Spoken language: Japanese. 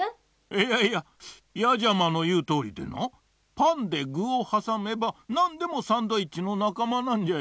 いやいややじゃまのいうとおりでなパンでぐをはさめばなんでもサンドイッチのなかまなんじゃよ。